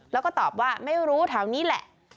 แล้วก็ตอบว่าไม่รู้แถวนี้แหละ